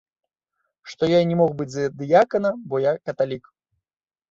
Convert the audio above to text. Што я не мог быць за дыякана, бо я каталік.